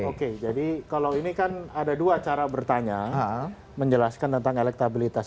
oke jadi kalau ini kan ada dua cara bertanya menjelaskan tentang elektabilitas